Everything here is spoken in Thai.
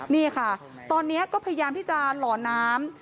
นี่ค่ะตอนนี้ก็พยายามที่จะหล่อน้ำ